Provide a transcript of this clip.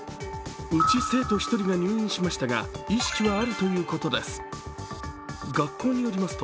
うち生徒１人が入院しましたが意識はあるということです。